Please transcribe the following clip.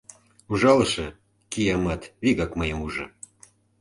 Ужалыше, киямат, вигак мыйым ужо.